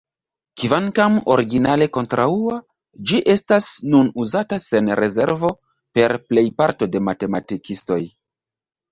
Kvankam originale kontraŭa, ĝi estas nun uzata sen rezervo per plejparto de matematikistoj.